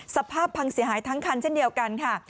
สภาพพังเสียหายทั้งคันเช่นเดียวกันค่ะ